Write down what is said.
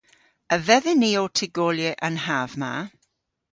A vedhyn ni ow tygolya an hav ma?